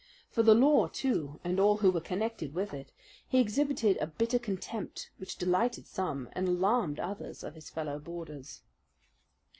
For the law, too, and all who were connected with it, he exhibited a bitter contempt which delighted some and alarmed others of his fellow boarders.